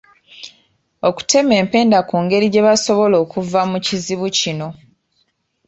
Okutema empenda ku ngeri gye basobola okuva mu kizibu kino.